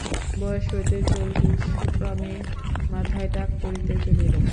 বয়স হইতে চলিল, ক্রমেই মাথায় টাক পড়িতে চলিল।